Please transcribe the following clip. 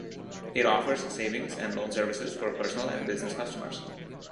It offers savings and loan services for personal and business customers.